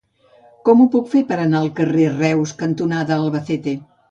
Com ho puc fer per anar al carrer Reus cantonada Albacete?